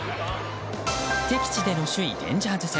敵地での首位レンジャーズ戦。